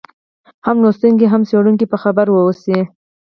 هم لوستونکی هم څېړونکی په خبر واوسي.